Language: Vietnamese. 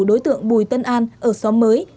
đối tượng bùi tân an ở xóm mới